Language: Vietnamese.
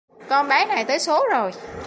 Còn bé này tới số rồi